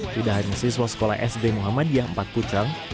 tidak hanya siswa sekolah sd muhammadiyah empat pucang